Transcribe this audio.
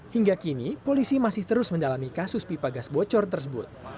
hingga kini polisi masih terus mendalami kasus pipa gas bocor tersebut